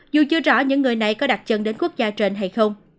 dù chưa rõ những người này có đặt chân đến quốc gia trên hay không